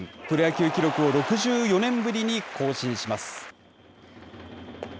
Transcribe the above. プロ野球記録を６４年ぶりに更新します。